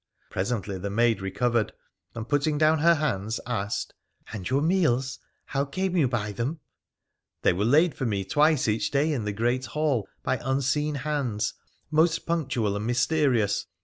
Presently the maid recovered, and, putting down her hands, asked —' And your meals — how came you by them ?'' They were laid for me twice each day in the great hall by unseen hands, most punctual and mysterious.